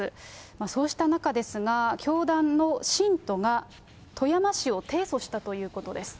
そうした中ですが、教団の信徒が富山市を提訴したということです。